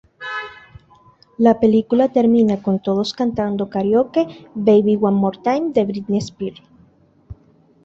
La película termina con todos cantando karaoke "Baby one more time" de Britney Spears.